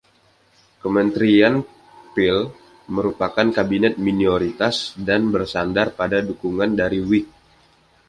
Kementerian Peel merupakan kabinet minoritas, dan bersandar pada dukungan dari Whig.